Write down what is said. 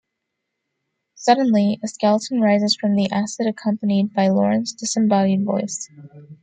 Suddenly, a skeleton rises from the acid accompanied by Loren's disembodied voice.